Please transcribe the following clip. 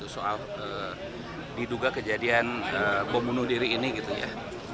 soal diduga kejadian pembunuh diri ini gitu ya